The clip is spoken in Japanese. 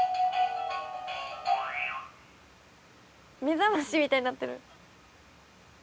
目覚ましみたいになってる。